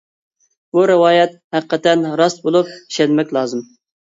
بۇ رىۋايەت ھەقىقەتەن راست بولۇپ، ئىشەنمەك لازىم.